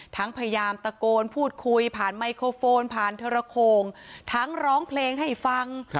พยายามตะโกนพูดคุยผ่านไมโครโฟนผ่านทรโคงทั้งร้องเพลงให้ฟัง